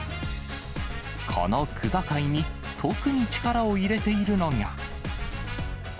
この区境に、特に力を入れているのが。